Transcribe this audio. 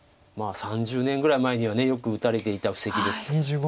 ３０年ぐらい前にはよく打たれていた布石です。